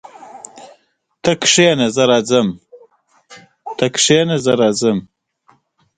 انسانانو ته هم ازموینې شوي دي.